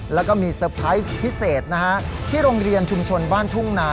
และมีสเปรดพิเศษที่โรงเรียนชุมชนบ้านทุ่งนา